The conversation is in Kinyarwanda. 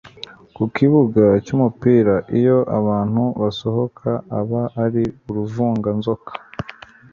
ku kibuga cy'umupira, iyo abantu basohoka aba ari uruvunganzoka